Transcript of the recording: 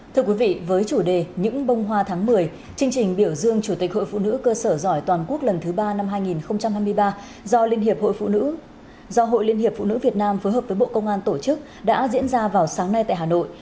thưa quý vị với chủ đề những bông hoa tháng một mươi chương trình biểu dương chủ tịch hội phụ nữ cơ sở giỏi toàn quốc lần thứ ba năm hai nghìn hai mươi ba do liên hiệp hội phụ nữ việt nam phối hợp với bộ công an tổ chức đã diễn ra vào sáng nay tại hà nội